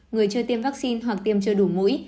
người chưa tiêm vaccine hoặc tiêm chưa đủ mũi